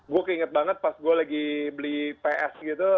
gue keinget banget pas gue lagi beli ps gitu